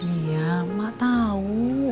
iya mak tau